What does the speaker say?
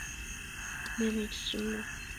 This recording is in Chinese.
妹妹志志目爱也是柔道运动员。